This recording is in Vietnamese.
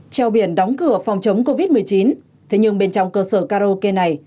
treo biển đóng cửa phòng chống covid một mươi chín thế nhưng bên trong cơ sở karaoke này